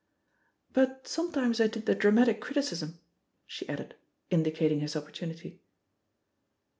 "But sometimes I did the dramatic criticism/' she added, indicating his opportunity.